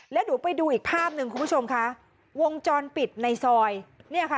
แล้วดูไปดูอีกภาพหนึ่งคุณผู้ชมค่ะวงจรปิดในซอย